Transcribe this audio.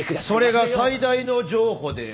それが最大の譲歩である。